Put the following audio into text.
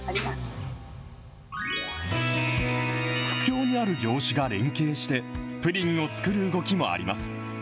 苦境にある業種が連携して、プリンを作る動きもあります。